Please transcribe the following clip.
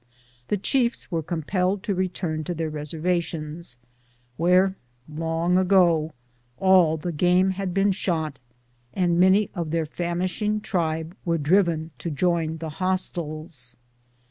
The chiefs were compelled to return to their reservations, where long ago all the game had been shot and their famishing tribe were many of them driven to join the hostiles.